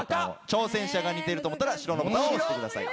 挑戦者が似てると思ったら白のボタンを押してください。